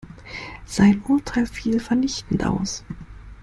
Sein Urteil fiel vernichtend aus.